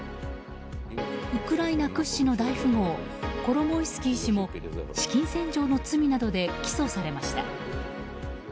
ウクライナ屈指の大富豪コロモイスキー氏も資金洗浄の罪などで起訴されました。